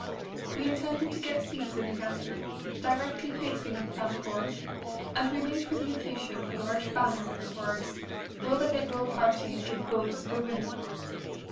We intended to get seats in the gallery, directly facing the platform and we made for the occasion a large banner with the words: "Will the Liberal Party Give Votes for Women?"